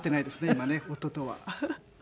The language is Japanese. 今ね夫とは。